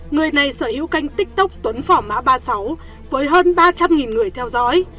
người này sở hữu kênh tiktok tuấn phỏ mã ba mươi sáu với hơn ba trăm linh người theo dõi